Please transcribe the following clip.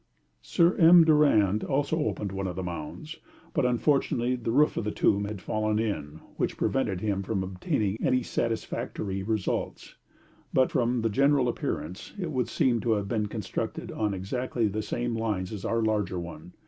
Sir M. Durand also opened one of the mounds, but unfortunately the roof of the tomb had fallen in, which prevented him from obtaining any satisfactory results; but from the general appearance, it would seem to have been constructed on exactly the same lines as our larger one.